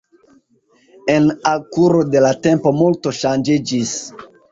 En al kuro de la tempo multo ŝanĝiĝis.